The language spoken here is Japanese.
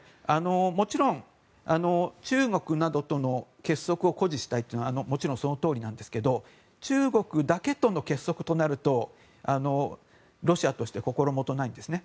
もちろん、中国などとの結束を誇示したいというのはもちろん、そのとおりなんですが中国だけとの結束となるとロシアとして心もとないんですね。